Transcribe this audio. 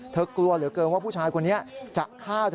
กลัวเหลือเกินว่าผู้ชายคนนี้จะฆ่าเธอ